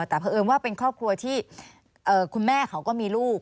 แต่เพราะเอิญว่าเป็นครอบครัวที่คุณแม่เขาก็มีลูก